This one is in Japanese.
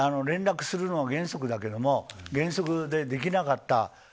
連絡するのは原則だけれども原則で、できなかった。